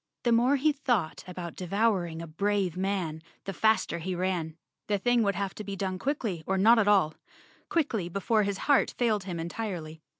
The more he thought about devouring a brave man, the faster he ran. The thing would have to be done quickly or not at all— quickly before his heart failed him entirely.